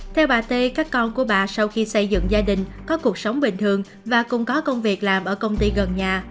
theo bà tê các con của bà sau khi xây dựng gia đình có cuộc sống bình thường và cùng có công việc làm ở công ty gần nhà